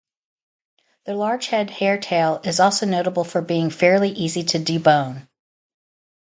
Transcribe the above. The largehead hairtail is also notable for being fairly easy to debone.